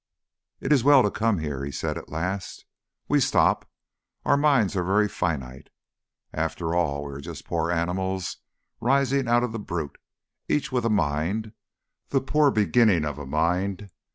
"It is well to come here," he said at last. "We stop our minds are very finite. After all we are just poor animals rising out of the brute, each with a mind, the poor beginning of a mind.